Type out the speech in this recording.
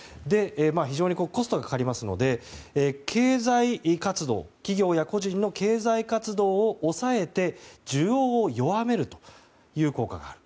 非常にコストがかかりますので企業や個人の経済活動を抑えて需要を弱めるという効果がある。